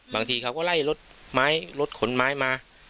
บางทีเขาก็ไล่รถไม้รถขนไม้มา